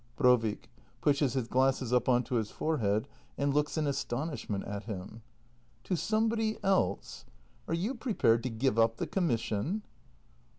Brovik. [Pushes his glasses up on to his forehead and looks in astonishment at him.] To somebody else ? Are you pre pared to give up the commission ? SOLNESS. [Impatiently.